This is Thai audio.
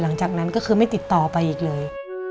หลังจากนั้นก็คือไม่ติดต่อไปอีกเลย